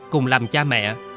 cùng làm cha mẹ